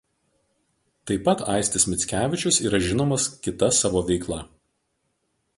Taip pat Aistis Mickevičius yra žinomas kita savo veikla.